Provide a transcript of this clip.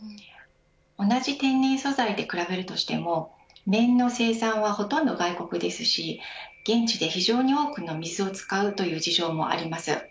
同じ天然素材で比べるとしても綿の生産はほとんど外国ですし現地で非常に多くの水を使うという事情もあります。